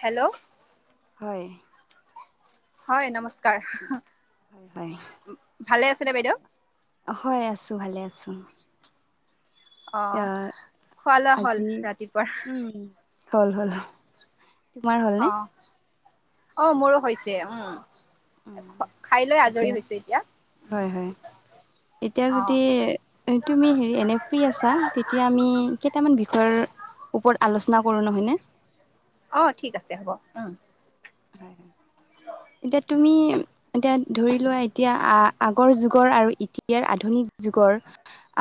Hello. হয়। হয় নমস্কাৰ। হয়, হয়, ভালে আছেনে বাইদেউ হয় আছোঁ ভালে আছোঁ। অ এ খোৱা লোৱা হ'ল আজি ৰাতিপুৱাৰ উম হল, হল। তোমাৰ হ'লনে অ', অহ মোৰো হৈছে উম। অ', খাই লৈ আজৰি এতিয়া হৈছে হয়, হয় এতিয়া অ যদি তুমি হেৰি এনে ফ্ৰী আছা তেতিয়া আমি কেইটামান বিষয়ৰ ওপৰত আলোচনা কৰোঁ নহয়নে। অ', ঠিক আছে হ'ব। হয়, হয় এতিয়া তুমি। এতিয়া ধৰি লোৱা এতিয়া আ আগৰ যুগৰ আৰু এতিয়াৰ আধুনিক যুগৰ-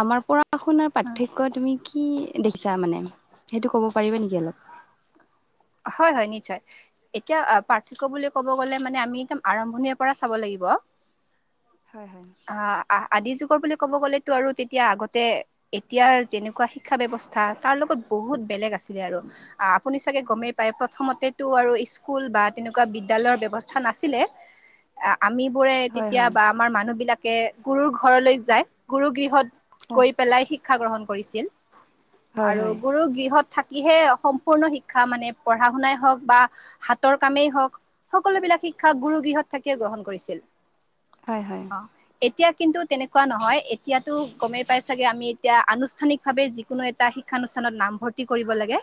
আমাৰ পঢ়া শুনাৰ উম পাৰ্থক্য তুমি কি দেখিছা মানে সেইটো ক'ব পাৰিবা নেকি অলপ। হয়, হয় নিশ্চয়। এতিয়া পাৰ্থক্য বুলি ক'ব গলে মানে আমি একদম আৰম্ভণিৰ পৰা চাব লাগিব। হয়, হয়। অ', আদি যুগৰ বুলি ক'ব গ'লেতো আৰু তেতিয়া আগতে এতিয়াৰ যেনেকুৱা শিক্ষা ব্যৱস্থা তাৰ লগত বহুত বেলেগ আছিলে আৰু আপুনি চাগে গমেই পাই প্ৰথমতেটো আৰু স্কুল বা তেনেকুৱা বিদ্যালয়ৰ ব্যৱস্থা নাছিলে। আমিবোৰে হয় তেতিয়া হয় বা আমাৰ মানুহ বিলাকে গুৰুৰ ঘৰলৈ যায় গুৰু গৃহত - হয় কৈ পেলাই শিক্ষা গ্ৰহণ কৰিছিল। হয় আৰু হয় গুৰু গৃহত - থাকিহে সম্পূৰ্ণ শিক্ষা মানে পঢ়া শুনাই হওঁক বা হাতৰ কামেই হওঁক - সকলোবিলাক শিক্ষাক গুৰু গৃহত থাকিয়ে গ্ৰহণ কৰিছিল। হয় হয়। এতিয়া কিন্তু তেনেকুৱা নহয় এতিয়াতো গমেই পাই চাগে আমি এতিয়া আনুষ্ঠানিক ভাৱে যিকোনো এ - টা শিক্ষানুষ্ঠানত নামভৰ্তি কৰিব লাগে,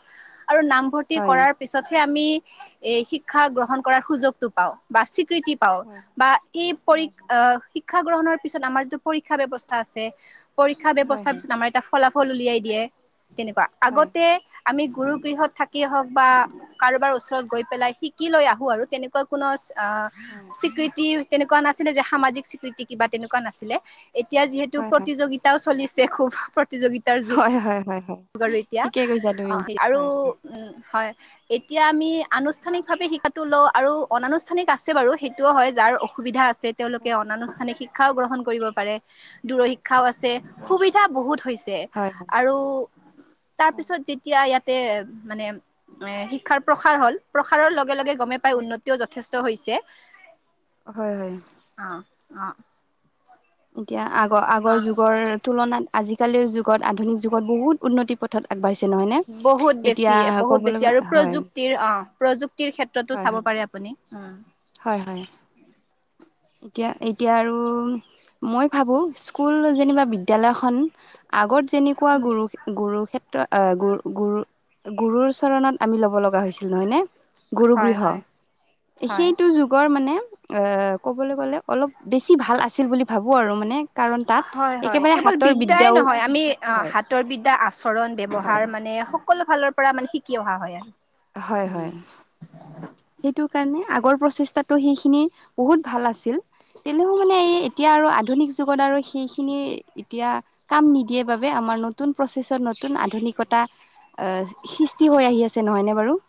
আৰু নামভৰ্তি - হয় কৰাৰ পিছতহে আমি এই শিক্ষা গ্ৰহণ কৰাৰ সুযোগটো পাওঁ বা স্বীকৃতি - পাও হয় বা এই পৰি হয় শিক্ষা গ্ৰহণৰ পিছত আমাৰ যিটো পৰীক্ষা ব্যৱস্থা আছে - পৰীক্ষা হয় ব্যৱস্থাৰ হয় পিছত আমাৰ এটা ফলাফল উলিয়াই দিয়ে তেনেকুৱা হয় আগতে - আমি গুৰু গৃহত থাকিয়ে হওক বা কাৰোবাৰ ওচৰত গৈ পেলাই শিকি লৈ আহো আৰু তেনে- কুৱা কোনো অ স্বীকৃতি তেনেকুৱা নাছিলে যে সামাজিক স্বীকৃতি - কিবা তেনেকুৱা নাছিলে, এতিয়া যিহেতু হয় প্ৰতিযোগিতাও চলিছে খুব প্ৰতিযোগি- তাৰ যোগ হয় হয় হয় আৰু এতিয়া ঠিকে কৈছা অ তুমি আৰু হয় হয় উম হয়। এতিয়া আমি আনুষ্ঠানিকভাৱে শিক্ষাটো লও আৰু অনানুষ্ঠানিক আছে বাৰু সেইটোও হয় যাৰ অসুবিধা আছে - ছে তেওঁলোকে অনানুষ্ঠানিক শিক্ষাও গ্ৰহণ কৰিব পাৰে দূৰ শিক্ষাও আছে। হয় সুবিধা বহুত হৈছে, হয় আৰু - তাৰ হয় পিছত যেতিয়া ইয়াতে মানে - এ শিক্ষাৰ প্ৰসাৰ হল প্ৰসাৰৰ লগে লগে গমে পাই উন্নতিও যথেষ্ট হৈছে - হয় হয়। অ অ। এতিয়া আগৰ আগৰ অ যুগৰ তুলনাত আজিকালিৰ যুগত আধুনিক যুগত বহুত - উন্নতি পথত আগবাঢ়িছে নহয় নে? বহুত বেছি এতিয়া বহুত ক'বলৈ গলে হয় - তিৰ ক্ষেত্ৰতো চাব পাৰে আপুনি - হয় হয়। এতিয়া এতিয়া আৰু মই ভাবো স্কুল যেনিবা বিদ্যালয়খন - আগত যেনেকুৱা গুৰু শি- গুৰুৰ ক্ষেত্ৰ গুৰু গুৰু গুৰুৰ চৰণত আমি ল'ব লগা হৈছিল নহয় নে? গুৰু হয় গৃহ, হয় হয় সেইটো যুগৰ মানে অ - ক'বলৈ গ'লে অলপ বেছি ভাল আছিল বুলি ভাবোঁ আৰু মানে - হয় হয়, কেৱল বিদ্যায়াই নহয় আমি হয় হাতৰ বিদ্যা আচৰণ হয় ব্যৱহাৰ মানে স - সকলো ফালৰ পৰা মানে শিকি অহা হয় আৰু হয় হয় উম। সেইটো কাৰণে আগৰ প্ৰচেষ্টাতো সেইখিনি বহুত ভাল আছিল। তেনেও মানে এই এতিয়া আৰু আধুনিক যুগত আৰু সেইখিনি এতিয়া - কাম নিদিয়ে বাবে আমাৰ নতুন প্ৰচেছত নতুন আধুনিকতা - সৃষ্টি হৈ আহি আছে নহয় নে বাৰু?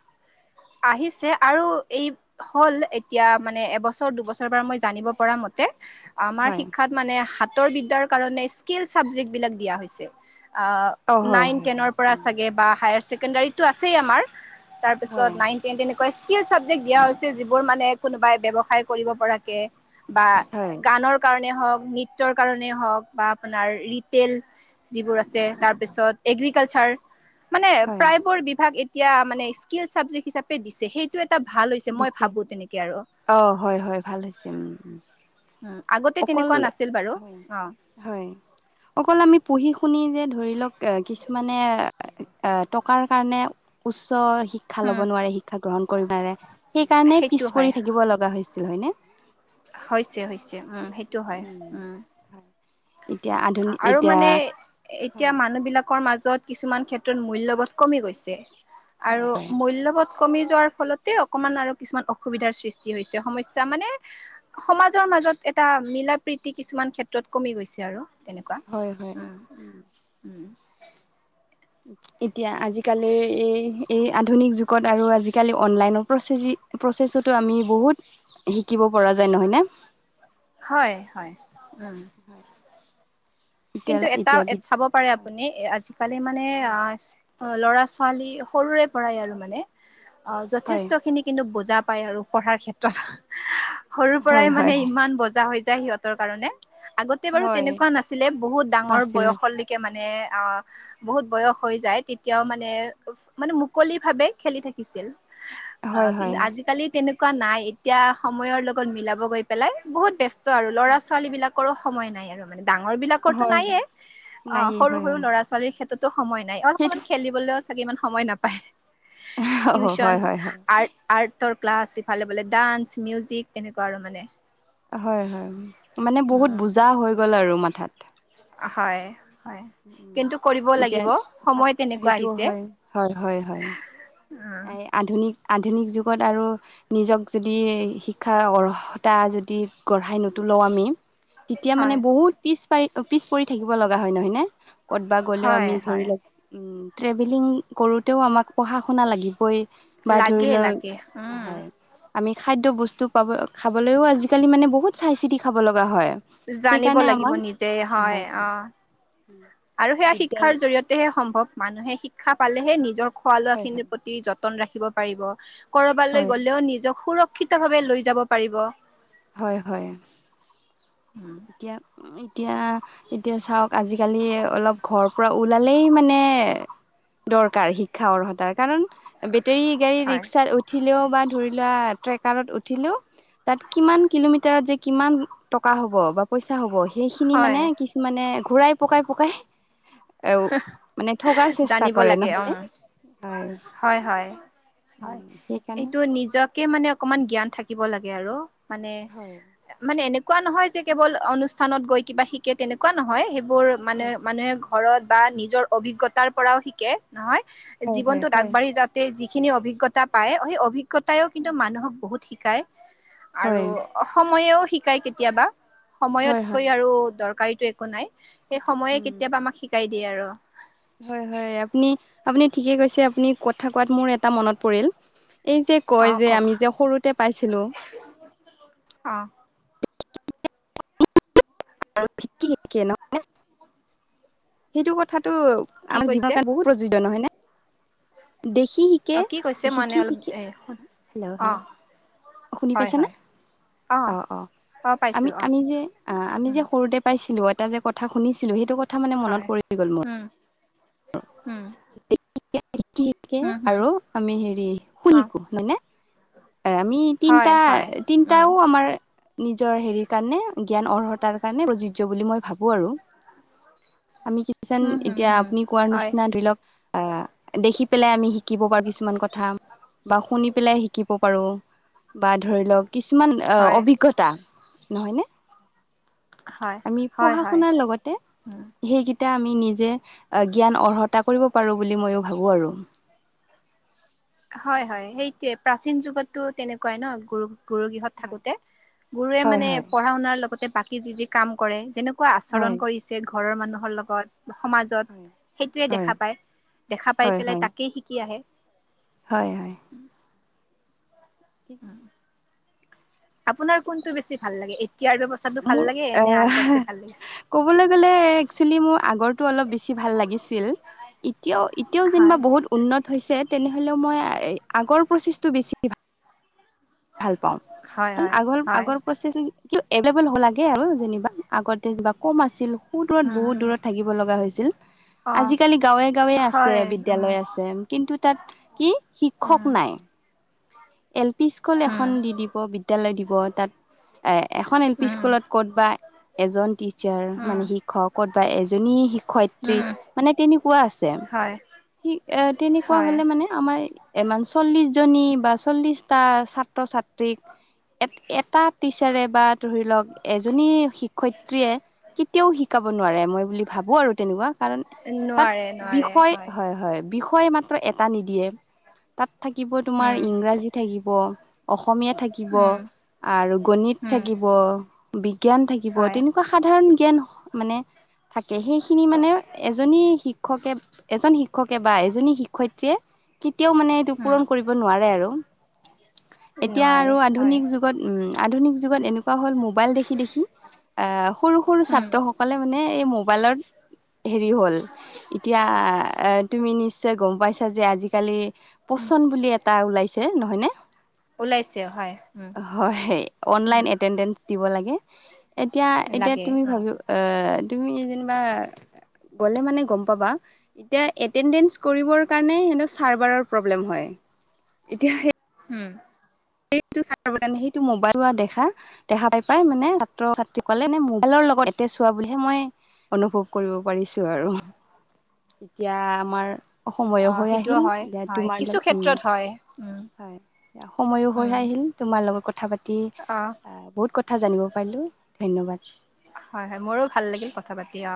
আহিছে আৰু এই - হল এতিয়া মানে এবছৰ দুবছৰৰ পৰা মই জানিব পৰা মতে - আমাৰ হয়। শিক্ষাত মানে হাতৰ বিদ্যাৰ কাৰণে স্কিল চাবজেক্টবিলাক দিয়া হৈছে। অ- হয় নাইন হয় হয় টেনৰ পৰা উম। চাগে বা হায়াৰ ছেকেণ্ডাৰীতো আছে আমাৰ হয় তাৰপিছত নাইন টেন তেনে- কুৱা স্কিল চাবজেক্ট দিয়া হৈছে যিবোৰ মানে কোনোবাই ব্যৱসায় কৰিব পৰাকে - বা হয় গানৰ - কাৰণে হ‌ওক, নৃত্যৰ কাৰণে হ‌ওক বা আপোনাৰ ৰিটেইল যিবোৰৰ আ - ছে, হয় তাৰ পিছত এগ্ৰিকালচাৰ, মানে হয় প্ৰায়েই বোৰ বিভাগ এতিয়া মানে স্কিল চাব- জেক হিচাপে দিছে, সেইটো এ- টা ভাল হৈছে মই দিছে ভাবো তেনেকে আৰু উ অ হয় হয় ভাল হৈছে উম উম। আগতে অকল তেনেকুৱা নাছিল বাৰু হয় অ হয় অকল আমি পঢ়ি শুনি যে ধৰি লওক এ কিছুমানে এ টকাৰ কাৰণে উচ্চ শিক ক্ষা উম ল'ব নোৱাৰে শিক্ষা গ্ৰহণ কৰিব নোৱাৰে সেইকাৰণে পিছ সেইটো হয় পৰি থাকিব লগা হৈছিল হয়নে হৈছে হৈছে উম সেইটো হয় উম হয় এতিয়া আধু আ আৰু মানে এতিয়া মানুহ বিলাকৰ মাজত কিছুমান ক্ষেত্ৰত মূল্যবধ কমি গৈছে হয় আৰু হয় মূল্যবধ কমি যোৱাৰ ফলতে অকমান আৰু কিছুমান অসুবিধাৰ সৃষ্টি হৈছে সমস্যা মানে সমাজৰ মাজত এটা মিলা প্ৰীতি কিছুমান ক্ষেত্ৰত কমি গৈছে আৰু তেনেকুৱা হয় হয়। উম উ এতিয়া আজিকালিৰ এই এই আধুনিক যুগত আৰু আজিকালি অনলাইনৰ প্ৰচেজি প্ৰচেছতো আমি বহুত শিকিব পৰা যায় নহয়নে হয় হয় উম হয় কিন্তু এটা এ চাব পাৰে আপ পুনি আজিকালি মানে আ হয় ল'ৰা ছোৱালী সৰুৰে পৰাই আৰু মানে অ হয় যথেষ্ট খিনি কিন্তু বুজা পায় আৰু পঢ়াৰ ক্ষেত্ৰত সৰু পৰাই হয় মানে হয় ইমান বজা হৈ যায় সিহঁতৰ কাৰণে আগত তে হয় বাৰু হয় তেনেকুৱা নাছিলে বহুত ডাঙৰ নাছিল নাছিল বয়সলৈকে মানে আহ বহুত বয়স হৈ যায় তেতিয়াও মানে উফ মানে মুকলি ভাৱে খেলি থাকিছিল অ হয় কিন হয় আজিকালি তেনেকুৱা নাই এতিয়া সময়ৰ লগত মিলাব গৈ পেলাই বহুত বেচ ত আৰু ল'ৰা ছোৱালী বিলাকৰো সময় নাই আৰু মানে ডাঙৰ বিলাক ত হয় নাইয়ে অ নায়ে সৰু হয় সৰু হয় ল'ৰা ছোৱালীৰ ক্ষেত্ৰটো সময় নাই সেইটো অলমান খেলি বলও চাগে ইমান সময় নাপায় অ' হয়, টিউচন হয়, হয়, আৰ্ট আৰ্টৰ ক্লাছ আছে ইফালে বোলে ডান্স মিউজিক তেনেকুৱা আৰু মানে হয় হয় উম মানে বহুত উম বুজা হৈ গ'ল আৰু মাথাত হয় হয় উম, কিন্তু কৰিব এতিয়া লাগিব চাব সময় তেনেকুৱা সেইটোও আহিছে হয়, উম এ আধুনিক আধুনিক যুগত আৰু নিজক যদি শিক্ষাৰ অৰ্হতা যদি গঢ়াই নুতুলও আমি তেতিয়া মানে হয় বহুত পিছ পাৰি অ পিছ পৰি থাকিব লগা হয় নহয় নে ক'তবা গ'লেও হয় আমি ধৰি হয় লওক উ ট্ৰেভেলিং কৰোতেও আমাক পঢ়া শুনা লাগিবই বা ধৰি লাগে লওক লাগে উম হয় আমি খাদ্য বস্তু পাব খাবলৈও আজিকালি মানে বহুত চাই চিতি খাব লগা হয় জানিব সেইকাৰণে লাগিব নিজে হয় অ উম আৰু সেয়া শিক্ষাৰ জৰিয়তেহে সম্ভৱ মানুহে শিক্ষা পালেহে নিজৰ খোৱা লোৱা হয় হয় খিনিৰ প্ৰতি যত তন ৰাখিব পাৰিব কৰবালৈ হয় গলেও নিজক সুৰক্ষিত ভাৱে লৈ যাব পাৰিব হয় হয় উম, এতিয়া এতিয়া এতিয়া চাওক আজিকালি এ অলপ ঘৰ পৰা ওলালেই মানে দৰকাৰ শিক্ষা অৰ্হতাৰ কাৰণ বেটেৰী গাড়ী হয় ৰিক্সাত উঠিলেও বা ধৰি লোৱা ট্ৰেকাৰত উঠিলেও [unintelligible] কিমান কিলোমিটাৰত যে কিমান টকা হ'ব বা পইচা হ'ব সেইখিনি মানে হয় কিছ [unintelligible] মানে ঘূৰাই পকাই-পকাই [inaudible] [unintelligible] এ মানে থগাকাৰ চেষ্টা জানিব কৰে লাগে অ নহয় নে? হয়। হয় হয় হয়। উম সেইকাৰণে এইটো নিজক [inaudible] কে মানে অকমান জ্ঞান থাকিব লাগে আৰু মানে হয় মানে এনে [unintelligible] এনেকুৱা নহয় যে কেৱল অনুষ্ঠানত গৈ কিবা শিকে তেনেকুৱা নহয় সেইবোৰ মানে হয় মানুহে ঘৰত [unintelligible] বা নিজৰ অভিজ্ঞতাৰ পৰাও শিকে নহয় হয় হয় জীৱনটোত হয় আগবঢ়ি যাব [unintelligible] যিখিনি অভিজ্ঞতা পায় সেই অভিজ্ঞতাও কিন্তু মানুহক বহুত শিকায়। [unintelligible] আৰু হয় সময়েও শিকায় কেতিয়াবা হয় হয় সময়তকৈ আৰু দৰকাৰীটো [unintelligible] একো নাই সেই কথা সময়ে কেতিয়াবা আমাক শিকাই দিয়ে আৰু। [unintelligible] হয়-হয়, আপুনি-আপুনি ঠিকে কৈছে। আপুনি কথা কোৱাত মোৰ এটা মনত পৰিল এই যে [unintelligible] কয় যে আমি যে সৰুতে পাইছিলোঁ [unintelligible] উ [unintelligible] অঁ [inaudible] [unintelligible] ন মানে [inaudible] সেইটো কথাটো কি আমাৰ জীৱনৰ কৈছে কাৰণে বহুত [unintelligible] উপযুক্ত নহয় নে? দেখি শিক [unintelligible] অ শিকে, কি কৈছে মানে অলপ শিকি-শিকি এ [inaudible] অ হেল্ল'-হেল্ল' [unintelligible] শুনি হয় পাইছা নে? হয় অ অ-অ! অ [inaudible] পাইছো অ আমি-আমি যে আহ আমি যে [unintelligible] সৰুতে পাইছিলোঁ, এটা যে কথা শুনিছিলোঁ সেইটো কথা [inaudible] হয়। পৰি গ'ল মোৰ উম! [inaudible] উম! [unintelligible] দেখি শিকে হুম, হুম, আৰু আমি হেৰি শুনি অ', শিকো হয় নে? আমি হয়, হয়, উম, তিনিটা-তিনিটাও আমাৰ [unintelligible] নিজৰ হেৰিৰ কাৰণে জ্ঞান অৰ্হতাৰ কাৰণে প্ৰযোজ্য বুলি মই ভাবো আৰু। [inaudible] আমি কিচান হুম, হুম, এতিয়া হুম, আপুনি কোৱাৰ হয়, নিচিনা ধৰি লওক। [unintelligible] আহ দেখি পেলাই আমি শিকিব পাৰো কিছুমান কথা বা শুনি পেলাই [unintelligible] শিকিব পাৰোঁ বা ধৰি লওক [inaudible] কিছুমান হয়, অভিজ্ঞতা নহয় নে? [inaudible] হয়, আমি হয়, হয়, পঢ়া-শুনাৰ লগতে উম। [unintelligible] সেইকেইটা আমি নিজে জ্ঞান অৰ্হতা কৰিব পাৰোঁ বুলি মইয়ো ভাবো আৰু। [unintelligible] হয়-হয়, সেইটোৱেই প্ৰাচীন যুগতো তেনেকুৱাই ন, গুৰু-গুৰু গৃহত [inaudible] হয় থাকোঁতে। গুৰুৱে হয় মানে হয় পঢ়া-শুনাৰ লগতে বাকী যি যি কাম কৰে যেনেক [unintelligible] কেনেকুৱা হয় আচৰণ কৰিছে ঘৰৰ মানুহৰ লগত। [unintelligible] সমাজত হয় সেইটোৱেই হয়, দেখা পায়, দেখা পাই পেলাই তাকেই শিকি আহে। [inaudible] হয়-হয়। [unintelligible] [unintelligible] আপোনাৰ কোনটো বেছি ভাল লাগে এতিয়াৰ ব্যৱস্থা [unintelligible] মোৰ ভাল লাগে এনে আহ আগতে ভাল লাগিছে? ক'বলৈ গ'লে একচুৱেলি মোৰ আগৰটো অলপ বেছি ভাল লাগিছিল। [inaudible] এতিয়াও-এতিয়াও যেনিবা হয়, বহুত উন্নত হৈছে তেনেহলেও মই আগৰ প্ৰচেছটো বেছি [unintelligible] [unintelligible] ভাল পাওঁ হয়, কাৰণ হয়, হয়। আগৰ-আগৰ প্ৰচেছ [unintelligible] এভেইলেবল হ'ব লাগে আৰু যেনিবা আগতে বা কম আছিল সু-দূৰত বহুত উম, দূৰত থাকিব লগা হৈছিল। [unintelligible] অ', আজিকালি গাঁৱে-গাঁৱে আছে হয়, উম, বিদ্যালয় আছে। কিন্তু তাত কি শিক্ষক উম, নাই? [unintelligible] এল পি স্কুল উম, এখন দি দিব বিদ্যালয় দিব, তাত [unintelligible] এ এখন এলপি উম, স্কুলত ক'ত বা [unintelligible] এজন টিচাৰ উম, মানে শিক্ষক ক'ত বা এজনী শিক্ষয়িত্ৰী। উম, [unintelligible] মানে তেনেকুৱা আছে হয়, সি তেনেকুৱা হয়, হলে মানে। আমাৰ ইমান চল্লিশ জনী বা চল্লিশটা ছাত্ৰ- ছাত্ৰীক এ এটা টিচাৰে বা ধৰি লওক এজনী শিক্ষয়িত্ৰীয়ে কেতিয়াও শিকাব নোৱাৰে মই বুলি ভাবো আৰু তেনেকুৱা। নোৱাৰে, নোৱাৰে, বিষয় হয় হয় বি তাই মাত্ৰ এটা নিদিয়ে তাত থাকিব তোমাৰ উম, ইংৰাজ, থাকিব অসমীয়া, থাকিব উম, আৰু গণিত, উম, থাকিব বিজ্ঞান থাকিব হয়, তেনেকুৱা সাধাৰণ জ্ঞান মানে থাকে সেইখিনি মানে এজনী শি শিক্ষকে এজন শিক্ষকে বা এজনী শিক্ষয়িত্ৰীয়ে কেতিয়াও মানে। সটো উম, পূৰণ কৰিব নোৱাৰে আৰু এতিয়া নোৱাৰে, আৰু হয়, আধুনিক যুগত উম আধুনিক যুগত এনেুৱা। এনেকুৱা হ'ল মোবাইল দেখি দেখি আহ সৰু সৰু উম, ছাত্ৰ সকলে মানে এই মোবাইলত হেৰি হ'ল এতিয়া এ তুমি নিশ্চয় গম পাইছা যে আজিকালি। উম, পোচন বুলি এটা ওলাইছে নহয়নে। ওলাইছে, হয়, উম, হয় উম, অনলাইন এটেডেন্ট - দিব লাগে এতিয়া এতিয়া লাগে, তুমি উম, ভাবি আহ তুমি যেনিবা। গ'লে মানে গম পাবা। এতিয়া এটেণ্ডেঞ্চ কৰিবৰ কাৰণে সিহঁতৰ চাৰ্ভাৰৰ প্ৰব্লেম হয়। ইতিয়া সেই উম সেইটো চ কাৰণে সেইটো মোবাইল চোৱা দেখা। দেখা পাই পাই মানে ছাত্ৰ ছাত্ৰীসলে নে মোবাইলৰ লগত এতে চোৱা বুলিহে। মই অনুভৱ কৰিব পাৰিছো আৰু এতিয়া। আমাৰ সময়ো অ', হৈ সেইটোও আহিল হয়, এতিয়া হয়, তোমাৰ কিছু লগত উম ক্ষেত্ৰত হয়, উম, হয় সময়ো। হৈ উম, আহিল তোমাৰ লগত কথা পাতি অ', বহুত কথা জানিব পাৰিলোঁ ধন্যবাদ। হয় হয় মোৰো ভাল লাগিল কথা পাতি অ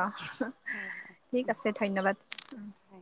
হয় হয় ঠিক আছে ধন্যবাদ। হয়